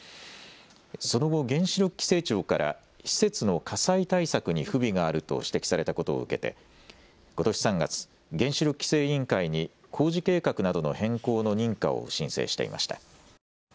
その後、原子力規制庁から施設の火災対策に不備があると指摘されたことを受けてことし３月、原子力規制委員会に工事計画などの変更の認可を申請していました。